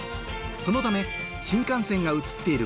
そのため新幹線が写っている